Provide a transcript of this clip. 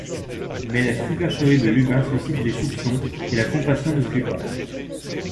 Mais la supercherie de Lubin suscite les soupçons et la compassion ne suit pas.